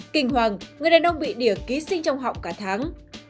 kinh hoàng người đàn ông bị đỉa ký sinh trong họng cả tháng